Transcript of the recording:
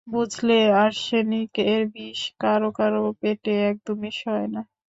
বুঝলে, আর্সেনিক এর বিষ, কারও কারও পেটে একদমই সয় না।